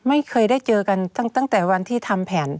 ไม่เคยได้เจอกันตั้งแต่วันที่ทำแผน